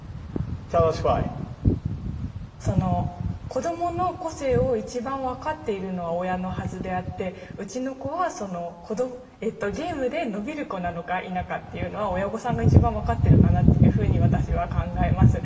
子供の個性を一番分かっているのは親のはずであってうちの子はゲームで伸びる子なのか否かっていうのは親御さんが一番分かってるかなっていうふうに私は考えます。